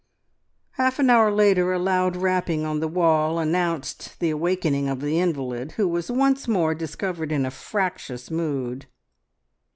Half an hour later a loud rapping on the wall announced the awakening of the invalid, who was once more discovered in a fractious mood.